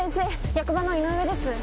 役場の井上です。